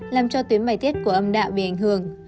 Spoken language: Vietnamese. làm cho tuyến bài tiết của âm đạo bị ảnh hưởng